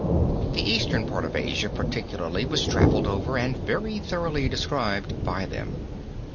The eastern part of Asia particularly was traveled over and very thoroughly described by them.